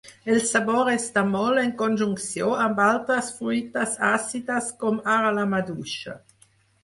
El sabor està molt en conjunció amb altres fruites àcides com ara la maduixa.